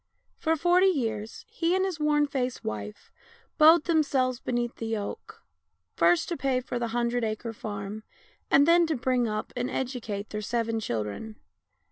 For forty years he and his worn faced wife bowed themselves beneath the yoke, first to pay for the hun dred acre farm, and then to bring up and educate their seven children.